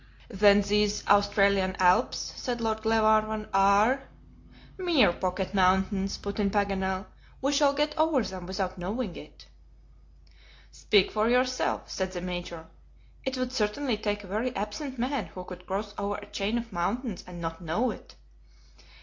"Then these Australian Alps," said Lord Glenarvan, "are " "Mere pocket mountains," put in Paganel; "we shall get over them without knowing it." "Speak for yourself," said the Major. "It would certainly take a very absent man who could cross over a chain of mountains and not know it."